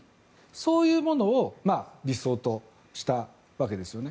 そういうものを理想としたわけです。